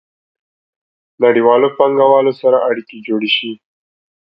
نړیوالو پانګوالو سره اړیکې جوړې شي.